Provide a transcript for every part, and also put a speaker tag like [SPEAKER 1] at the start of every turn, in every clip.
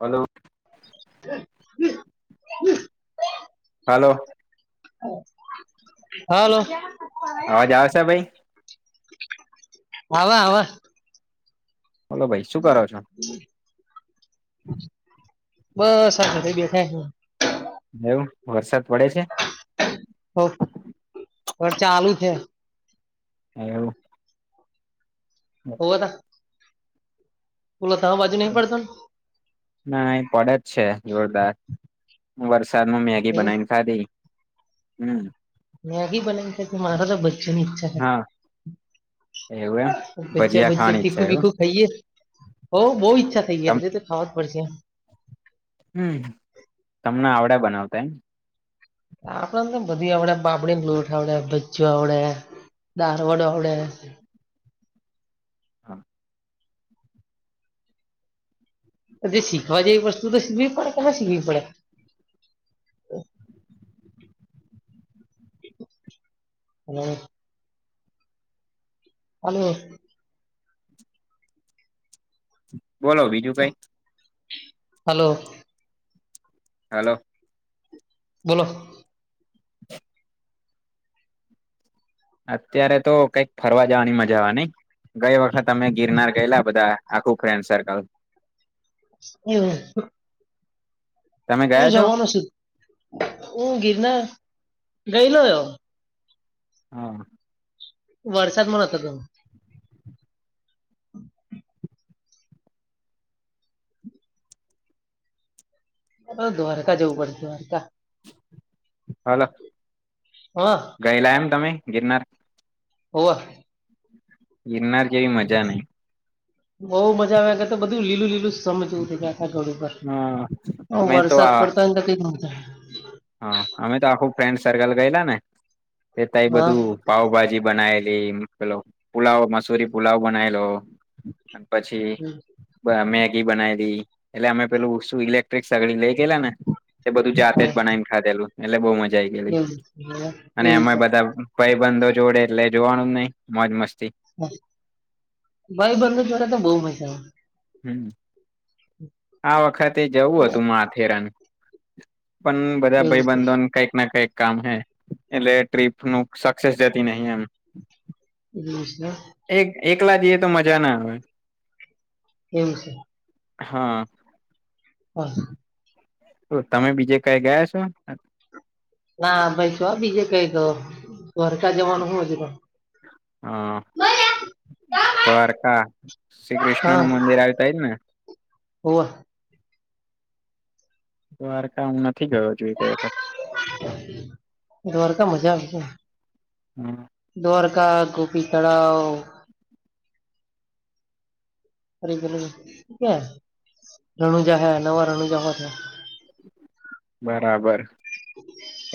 [SPEAKER 1] Hello.
[SPEAKER 2] [unintelligible]
[SPEAKER 1] Hello.
[SPEAKER 2] Hello.
[SPEAKER 1] અવાજ આવેશે ભાઈ
[SPEAKER 2] આવે આવે
[SPEAKER 1] બોલો ભાઈ શું કરો છો
[SPEAKER 2] બસ આ બધું દેખાય
[SPEAKER 1] એવું વરસાદ પડે છે.
[SPEAKER 2] બહું ચાલુ છે
[SPEAKER 1] એવું
[SPEAKER 2] હોવે ના ઓલો તમાર બાજુ નહી પડતું.
[SPEAKER 1] ના એ પડે જ છે જોરદાર હું વરસાદમાં મેગી
[SPEAKER 2] એવું
[SPEAKER 1] બનાવીને ખાધી હમ્મ.
[SPEAKER 2] મેગી બનાવી છે મારે તો ભજ્યાની ઈચ્છા છે
[SPEAKER 1] હા એવું એમ
[SPEAKER 2] ભજ્યા
[SPEAKER 1] ભજીયા
[SPEAKER 2] ભજ્યા
[SPEAKER 1] ખાવાની ઈચ્છા
[SPEAKER 2] તીખું
[SPEAKER 1] એવું
[SPEAKER 2] બીખું ખાઈએ હો બહુ ઈચ્છા થઈ ગઈ
[SPEAKER 1] તમ
[SPEAKER 2] આજે તો ખાવા જ પડશે
[SPEAKER 1] હમ્મ તમને આવડે બનાવતા એમ
[SPEAKER 2] આપડ નતો બધી આવડે પાપડીને લોટ આવડે ભજીયા આવડે દારવડો આવડે
[SPEAKER 1] હા.
[SPEAKER 2] જે શીખવા જેવી વસ્તુ તો શીખવી પડે કે ના શીખવી પડે
[SPEAKER 1] [inaudible]
[SPEAKER 2] હમ્મ. હલો.
[SPEAKER 1] બોલો બીજું કઈ
[SPEAKER 2] હલો.
[SPEAKER 1] હેલો.
[SPEAKER 2] બોલો
[SPEAKER 1] અત્યારે તો કઈક ફરવા જવાની મજા આવેવા નઈ ગઈ વખત અમે ગિરનાર ગયેલા બધા આખું ફ્રેન્ડ સર્કલ
[SPEAKER 2] [inaudible]
[SPEAKER 1] તમે
[SPEAKER 2] હું
[SPEAKER 1] ગયા છો
[SPEAKER 2] જવાનો છું હું ગિરનાર ગયલોયયો
[SPEAKER 1] હા
[SPEAKER 2] વરસાદમા નતો ગયો હ દ્વારકા જવું પડશે દ્વારકા
[SPEAKER 1] હાલો
[SPEAKER 2] હા
[SPEAKER 1] ગયેલા એમ તમે ગિરનાર
[SPEAKER 2] હોવા
[SPEAKER 1] ગિરનાર જેવી મજા નહીં
[SPEAKER 2] બઉ મજા આવે તો બધું લીલું લીલું સમજવું કે આખા ઘળ ઉપર
[SPEAKER 1] હા
[SPEAKER 2] ઓ
[SPEAKER 1] અમે તો
[SPEAKER 2] વરસાદ
[SPEAKER 1] આ
[SPEAKER 2] પડતો એ તો ક થાય
[SPEAKER 1] હા અમે તો આખું ફ્રેન્ડ સર્કલ ગયેલા ને એ તઈ
[SPEAKER 2] હા
[SPEAKER 1] બધું પાવભાજી બનાયેલી પેલો પુલાવ મસૂરી પુલાવ બનાયેલો અને પછી મેગી બનાવીલી એટલે અમે પેલું શુ ઇલેક્ટ્રિક સગડી લઈ ગેલા ને એ બધું જાતે જ
[SPEAKER 2] હા
[SPEAKER 1] બનાવીને ખાધેલું એટલે બહુ મજા આઈ ગયલી
[SPEAKER 2] એવું
[SPEAKER 1] અને
[SPEAKER 2] એવું છે
[SPEAKER 1] એમાં બધા કઈ બંધો જોડે એટલે જોવાનું જ નહી મોજ મસ્તી
[SPEAKER 2] ભાઈ બંધુ જોરે તો બહુ મજા
[SPEAKER 1] હમ્મ આ વખતે જવું હતું માથેરાન પણ બધા
[SPEAKER 2] એવું છે
[SPEAKER 1] ભાઈબંધોન કંઈક ના કંઈક કામ હૈ એટલે ટ્રીપ ન સક્સેસ જતી નહિ એમ
[SPEAKER 2] એવુ છે
[SPEAKER 1] એક એકલા જઈએ તો મજા ના આવે
[SPEAKER 2] એમ છે
[SPEAKER 1] હા
[SPEAKER 2] [inaudible]
[SPEAKER 1] તમે બીજે કઈ ગયા છો
[SPEAKER 2] ના ભાઈ શું બીજે કઈ ક દ્વારકા જવાનું હૂ
[SPEAKER 1] હા દ્વારકા શ્રી કૃષ્ણ નું મંદિર આવતાાયજ ને
[SPEAKER 2] હોવા
[SPEAKER 1] દ્વારકા હું નથી ગયો જોઈ ક વખત
[SPEAKER 2] એ વારકા મજા આવશે
[SPEAKER 1] હમ્મ
[SPEAKER 2] દ્વારકા ગોપી તળાવ ફરી પે રણુજા હે નવા રણુજા હો હ
[SPEAKER 1] બરાબર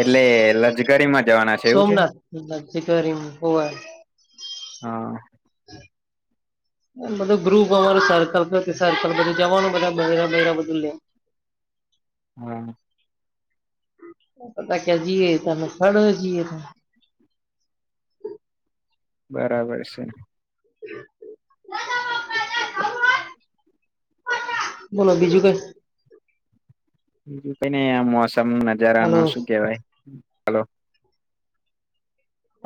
[SPEAKER 1] એટલે લજકરીમાં જવાના છે એવું છે
[SPEAKER 2] હી પોવે
[SPEAKER 1] હા [inaudible]
[SPEAKER 2] બધું ગ્રુપ અમારું સર્કલ સર્કલ બધું જવાનું બધા બયેરા બયેરા બધું લે
[SPEAKER 1] હમ્મ
[SPEAKER 2] પતા ક્યાં જી ત ખડ જીએ ત
[SPEAKER 1] બરાબર છે
[SPEAKER 2] [inaudible] બોલો બીજું કઈ
[SPEAKER 1] બી કઈ નહી મોસમ નજારા ન
[SPEAKER 2] હાલો
[SPEAKER 1] શું કહેવાય હલો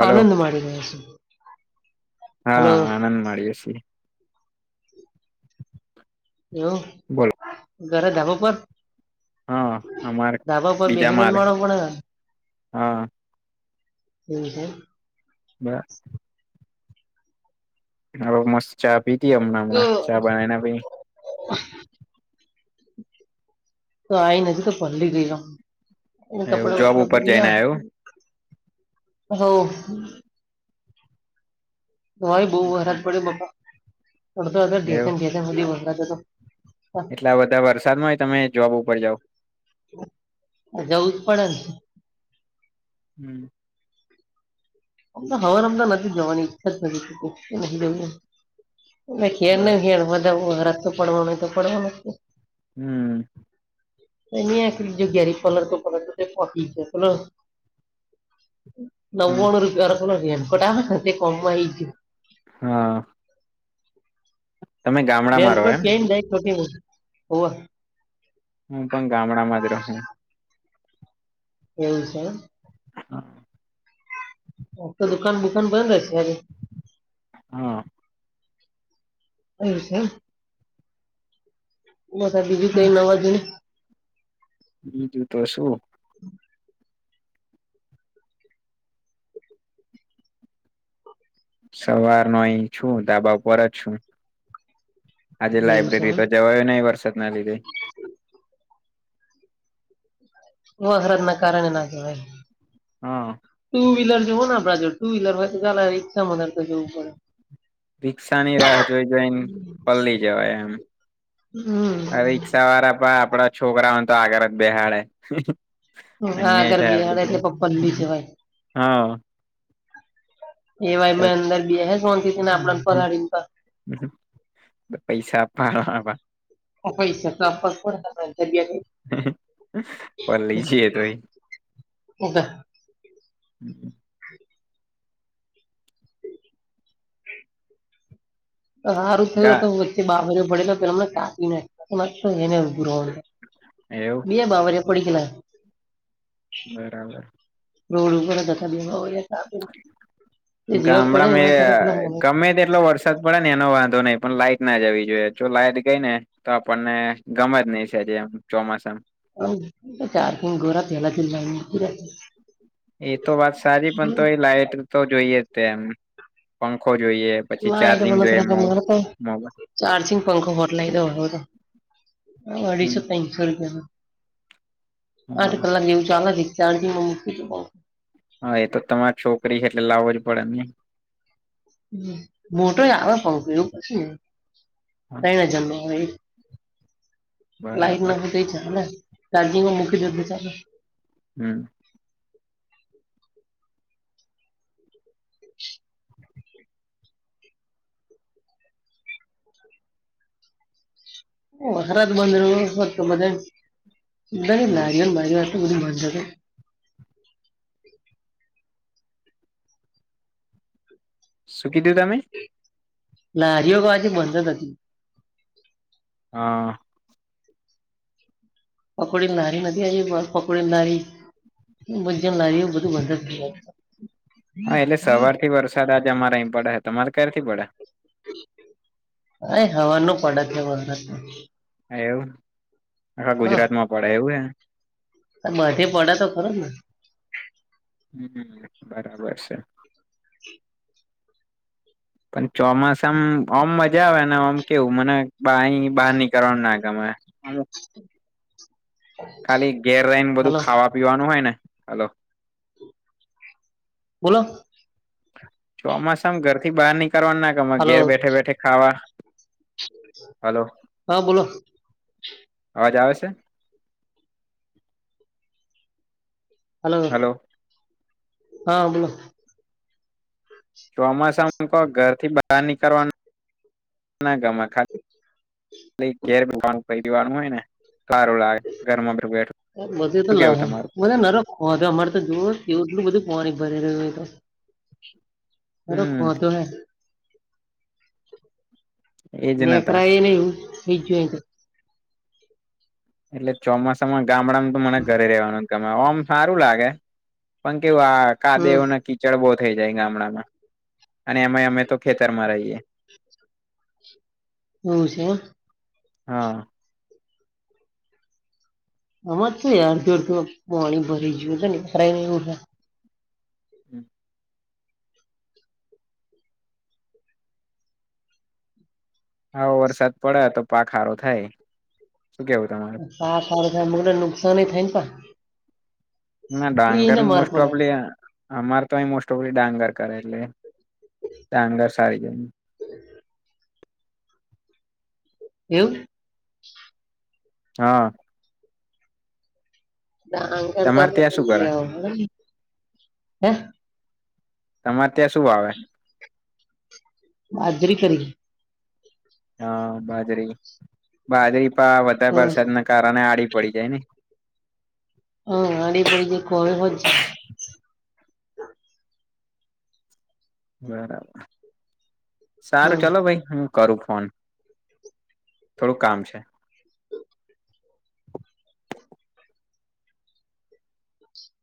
[SPEAKER 1] હલો
[SPEAKER 2] આનંદ માડી રહ્યા છે
[SPEAKER 1] હા આનંદ મળીયે સિયે
[SPEAKER 2] એવું
[SPEAKER 1] બોલો
[SPEAKER 2] ઘરે ધાબો પર
[SPEAKER 1] હા અમારે
[SPEAKER 2] ધાબા ઉપર
[SPEAKER 1] બીજા
[SPEAKER 2] બેહી ને
[SPEAKER 1] માલે
[SPEAKER 2] માણહ ભણે
[SPEAKER 1] હા
[SPEAKER 2] હમ્મ હમ્મ
[SPEAKER 1] [unintelligible] હ મસ્ત ચા પીતી હમણાં હમણાં ચા બનાયને
[SPEAKER 2] [unintelligible] અને કપડા
[SPEAKER 1] એવું જોબ ઉપર જઈને આવ્યું
[SPEAKER 2] વપડા [unintelligible] તો બહુ વરહાદ
[SPEAKER 1] એવું
[SPEAKER 2] પડે બાપા [unintelligible]
[SPEAKER 1] એટલા બધા વરસાદમાં તમે જોબ ઉપર જાાવ
[SPEAKER 2] જવું જ પડે ને
[SPEAKER 1] હમ્મ
[SPEAKER 2] આમ તો હવાર [unintelligible] નથી જવાની ઈચ્છ જ નથી કે ન
[SPEAKER 1] બર
[SPEAKER 2] જઈએ [unintelligible]
[SPEAKER 1] હમ્મ
[SPEAKER 2] [unintelligible]
[SPEAKER 1] [inaudible] હ
[SPEAKER 2] નવા નુ રૂપિયાનું ઓલું રેઇનકોટ આવે હ તે કોમ માં આવી ગ્યું.
[SPEAKER 1] હા. [inaudible] ગામડામાં રહો
[SPEAKER 2] રેનકોટ
[SPEAKER 1] એમ
[SPEAKER 2] પેરી ન જઈ કોટી હોવ.
[SPEAKER 1] હું પણ ગામડા માં જ રહુ
[SPEAKER 2] એવું છે એમ
[SPEAKER 1] [inaudible]
[SPEAKER 2] હ તો દુકાન બુકાન બંધ હશે આજે
[SPEAKER 1] હા.
[SPEAKER 2] એવું છે એમ? [unintelligible] બીજું કઈ નવાજુની
[SPEAKER 1] બીજું તો શું સવાર નું અહી છું ધાબા પર જ છું‌. આજે
[SPEAKER 2] એવું છે
[SPEAKER 1] લાયબ્રેરી
[SPEAKER 2] એમ
[SPEAKER 1] તો જવાયો નહી વરસાદ ના લીધે.
[SPEAKER 2] વો હરાદના કારણે ના કેવાય.
[SPEAKER 1] હા.
[SPEAKER 2] ટુ વ્હીલર જો હો ને આપ જો ટુ વ્હીલર હોય તો ચાલે રીક્ષામાં બ જવુ પડે.
[SPEAKER 1] રિક્ષા ની રાહ જોઈ જઈને પલી જવાય એમ.
[SPEAKER 2] હમ્મ.
[SPEAKER 1] આ રિક્ષાવાળા પણ આપડા છોકરાઓને તો આગર જ બેહાડે.
[SPEAKER 2] હા
[SPEAKER 1] અન્યાય
[SPEAKER 2] આગળ
[SPEAKER 1] થાય આપડી
[SPEAKER 2] બેહાડે
[SPEAKER 1] જોડ
[SPEAKER 2] એટલે પપ્પલ્લી જવાય.
[SPEAKER 1] હા.
[SPEAKER 2] એવાય મેં અંદર બેહે શાંતિથી ને આપણે પલાડી ને પર
[SPEAKER 1] પૈસા આપવા હ પા
[SPEAKER 2] પૈસા તો આપવા જ પણ
[SPEAKER 1] પર લઈજીએ તો એ
[SPEAKER 2] [unintelligible] [unintelligible]
[SPEAKER 1] [inaudible]
[SPEAKER 2] સારું થયું
[SPEAKER 1] ગા
[SPEAKER 2] હતું વચ્ચે બાબરે પડે તો પેલામને કાપીને એમાં ત એને ભુર
[SPEAKER 1] એવું
[SPEAKER 2] બે બાવરીયા પડીગેલા
[SPEAKER 1] બરાબર.
[SPEAKER 2] રોડ ઉપર જ હથા, [unintelligible] જેવા પડે
[SPEAKER 1] ગામડા
[SPEAKER 2] ને
[SPEAKER 1] મે
[SPEAKER 2] એવા તરત જ
[SPEAKER 1] ગમે તેટલો વરસાદ પડે ને એનો વાંધો નઈ પણ લાઈટ ના જવી જોઈએ જો લાઈટ ગઈ ને તો આપણને ગમેત નહી [unintelligible] એમ ચોમાસા
[SPEAKER 2] [unintelligible]
[SPEAKER 1] એ તો વાત સારી પણ તો એ લાાઈટ તો જોઈએ જ તેમ પંખો જોઈએ પછી
[SPEAKER 2] ના એ બ એ
[SPEAKER 1] ચાર્જિંગ
[SPEAKER 2] માર
[SPEAKER 1] જોઈએ મો
[SPEAKER 2] તા
[SPEAKER 1] મોબાઈલ
[SPEAKER 2] ચારજિંગ પંખો હોટલાઈ દઉ હવે તો
[SPEAKER 1] હમ
[SPEAKER 2] અઢીસો ત્રણ સો રૂપિયાનો, આઠ
[SPEAKER 1] હા
[SPEAKER 2] કલાક જેવું ચાલ દ ચાર્જિંગમાં મૂકી દઉ તો
[SPEAKER 1] હા એ તો તમારી છોકરી છે એટલે લાવો જ પડે ને
[SPEAKER 2] મોટો આવે પંખો એવું કશુંય નહીં,
[SPEAKER 1] હા,
[SPEAKER 2] તયન હજાર નો આવે એ લાઈટ ના
[SPEAKER 1] બરાબર
[SPEAKER 2] હોય તોય ચાલે ચાર્જિંગમાં મુકી દો તો ચાલે
[SPEAKER 1] હમ્મ.
[SPEAKER 2] ઓ વરસાદ બંધ રહ્યો હોત તો બધા ધાણ
[SPEAKER 1] હમ
[SPEAKER 2] લારીઓને ભરીયો આટલું બધું બંધ શેત
[SPEAKER 1] શું કીદું તમે
[SPEAKER 2] લારીઓ બધી બંધ જ હતી.
[SPEAKER 1] હા.
[SPEAKER 2] પકોડીને લારી નથી આવી, પકોડીને લારી [unintelligible] જેમ લારીઓ બધું બંધ જ થય
[SPEAKER 1] હા એટલે સવાર થી વરસાદ આજ અમારે પડે તમારે ક્યારે થી પડે
[SPEAKER 2] અય હવારનો પડે વરહાદ
[SPEAKER 1] એવું આખા ગુજરાત માં પડે એવું હે
[SPEAKER 2] બઢે પડે તો ખરો ને
[SPEAKER 1] હમ્મ બરાબર છે
[SPEAKER 2] [inaudible]
[SPEAKER 1] પણ ચોમાસામ ઓમ જ મજા આવેને આમ કેવું મને બહાર નીકળવાનું ના ગમે અમુક
[SPEAKER 2] [inaudible]
[SPEAKER 1] ખાલી ઘેર રહી ને બધું
[SPEAKER 2] હાલો
[SPEAKER 1] ખાવા પીવાનું હોય ને હલો
[SPEAKER 2] બોલો
[SPEAKER 1] ચોમાસામાં ઘર થી બહાર નીકળવાનું ના ગમે ઘેર
[SPEAKER 2] હાલો
[SPEAKER 1] બેઠે બેઠે ખાવા હલો
[SPEAKER 2] હા બોલો
[SPEAKER 1] અવાજ આવે છે
[SPEAKER 2] હલો હા બોલો
[SPEAKER 1] ચોમાસામાં તો ઘર થી બહાર નીકળવાનું ના ગમે ખા એટલે ઘેર ભગવાન પરિવારમાં હોય ને સારું લાગે ઘર માં કોઈ બેઠું શું
[SPEAKER 2] લા
[SPEAKER 1] કેવું તમારું?
[SPEAKER 2] મને હ નરક તો અમારે તો જો એટલું બધું પોણી ભરે રહ્યું હો તો
[SPEAKER 1] હમ
[SPEAKER 2] [unintelligible]
[SPEAKER 1] એજ નતા
[SPEAKER 2] [unintelligible]
[SPEAKER 1] એટલે ચોમાસામાં ગામડામાં તો મને ઘરે રહેવાનું ગમે ઓમ હારું લાગે પણ કેવું આ
[SPEAKER 2] હમ
[SPEAKER 1] કાદેવ ને કી [unintelligible] બો થઈ જાય ગામડામાં અને એમાં અમે તો ખેતરમાં રહીયએ
[SPEAKER 2] [unintelligible]
[SPEAKER 1] હા
[SPEAKER 2] [unintelligible] પોણી ભરી ગયું તો ભરાય ને
[SPEAKER 1] [inaudible] હા વરસાદ પડે તો પાક સારો થાય શું કેવું તમારું
[SPEAKER 2] [unintelligible] નુકસાન થાય ને પણ
[SPEAKER 1] ના ડાંગરને
[SPEAKER 2] માર
[SPEAKER 1] મોસ્ટ
[SPEAKER 2] પડે
[SPEAKER 1] [unintelligible] અમારે તો અ મોસ્ટ ઓફલી ડાંગર કરે એટલે ડાંગર સારી જાય
[SPEAKER 2] [inaudible] એવું
[SPEAKER 1] હા
[SPEAKER 2] ડાંગર
[SPEAKER 1] તમારે
[SPEAKER 2] ગમે
[SPEAKER 1] ત્યાં શું કરે
[SPEAKER 2] [unintelligible] હ
[SPEAKER 1] તમારે ત્યાં શું વાવે
[SPEAKER 2] બાજરી કરી
[SPEAKER 1] હા બાજરી બાજરી પણ વધારે
[SPEAKER 2] હમ
[SPEAKER 1] વરસાદના કારણે આડી પડી જાય ને
[SPEAKER 2] હ આડી પડી જે કોમે હો છે
[SPEAKER 1] બરાબર સારું
[SPEAKER 2] હમ
[SPEAKER 1] ચાલો ભાઈ હ કરું ફોન થોડુંક કામ છે.